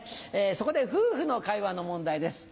そこで夫婦の会話の問題です。